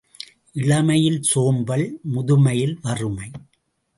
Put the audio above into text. இளமையில் சோம்பல், முதுமையில் வறுமை.